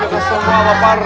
kita semua lapar